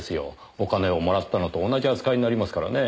お金をもらったのと同じ扱いになりますからねぇ。